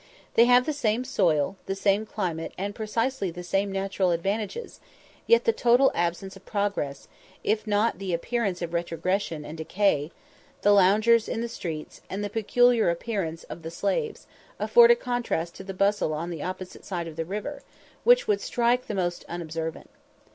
They have the same soil, the same climate, and precisely the same natural advantages; yet the total absence of progress, if not the appearance of retrogression and decay, the loungers in the streets, and the peculiar appearance of the slaves, afford a contrast to the bustle on the opposite side of the river, which would strike the most unobservant.